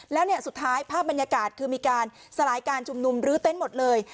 แล้วเนี่ยสุดท้ายภาพบรรยากาศคือมีการสลายการชุมนุมลื้อเต็นต์หมดเลย